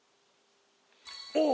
おっ？